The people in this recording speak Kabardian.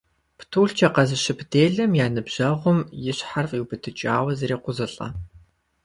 Птулъкӏэ къэзыщып делэм я ныбжьэгъум и щхьэр фӏиубыдыкӏауэ зрекъузылӏэ.